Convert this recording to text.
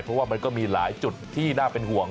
เพราะว่ามันก็มีหลายจุดที่น่าเป็นห่วง